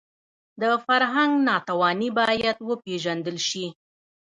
د فرهنګ ناتواني باید وپېژندل شي